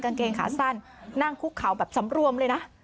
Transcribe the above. กางเกงขาสั้นนั่งคุกเขาแบบสำรวมเลยนะ